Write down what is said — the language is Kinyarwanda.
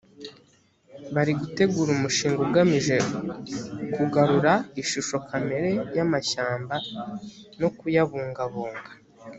bari gutegura umushinga ugamije kugarura ishusho kamere y amashyamba no kuyabungabunga